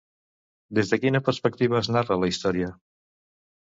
Des de quina perspectiva es narra la història?